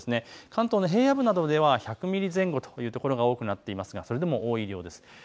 関東の平野部などでは１００ミリ前後という所が多くなっていますがそれでも多い量です。